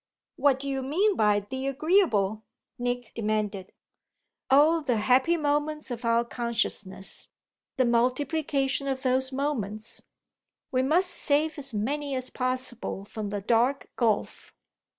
"What do you mean by the agreeable?" Nick demanded. "Oh the happy moments of our consciousness the multiplication of those moments. We must save as many as possible from the dark gulf."